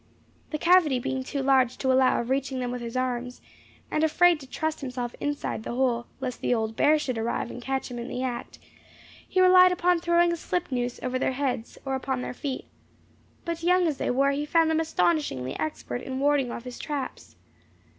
The cavity being too large to allow of reaching them with his arms, and afraid to trust himself inside the hole, lest the old bear should arrive and catch him in the act, he relied upon throwing a slip noose over their heads, or upon their feet; but young as they were he found them astonishingly expert in warding off his traps.